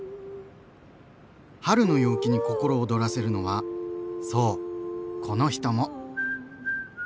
春の陽気に心躍らせるのはそうこの人も。